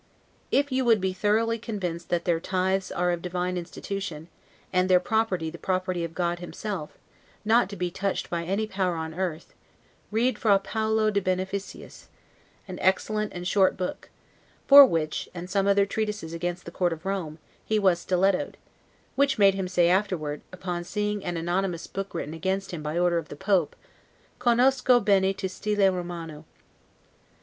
If you would be thoroughly convinced that their tithes are of divine institution, and their property the property of God himself, not to be touched by any power on earth, read Fra Paolo De Beneficiis, an excellent and short book; for which, and some other treaties against the court of Rome, he was stilettoed; which made him say afterward, upon seeing an anonymous book written against him by order of the Pope, 'Conosco bene to stile Romano'.